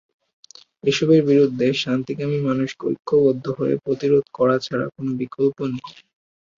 এসবের বিরুদ্ধে শান্তিকামী মানুষকে ঐক্যবদ্ধ হয়ে প্রতিরোধ করা ছাড়া কোনো বিকল্প নেই।